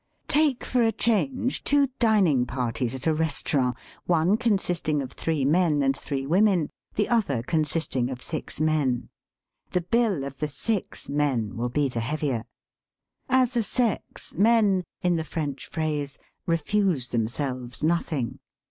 Take, for a change, THE MEANING OP FROCKS 87 two dining parties at a restaurant, one consisting of three men and three women, the other consist ing of six men. The bill of the six men will be the heavier. As a sex men, in the French phrase, refuse themselves nothing."